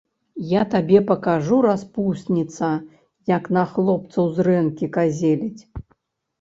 Я табе пакажу, распусніца, як на хлопцаў зрэнкі казеліць!